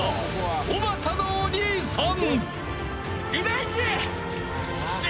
おばたのお兄さん。